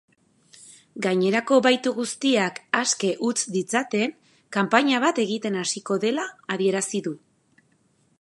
Gainerako bahitu guztiak aske utz ditzaten kanpaina bat egiten hasiko dela adierazi du.